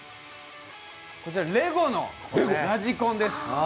こちら、レゴのラジコンです。